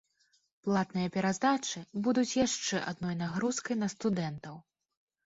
Платныя пераздачы будуць яшчэ адной нагрузкай на студэнтаў.